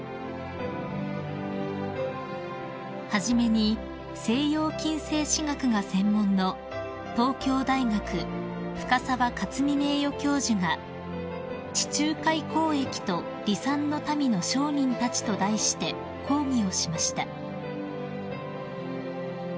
［初めに西洋近世史学が専門の東京大学深沢克己名誉教授が『地中海交易と「離散の民」の商人たち』と題して講義をしました］